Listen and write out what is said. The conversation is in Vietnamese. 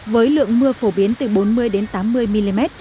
với lượng mưa phổ biến từ bốn mươi tám mươi mm